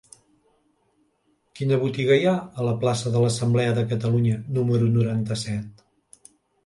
Quina botiga hi ha a la plaça de l'Assemblea de Catalunya número noranta-set?